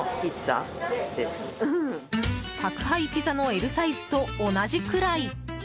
宅配ピザのＬサイズと同じくらい。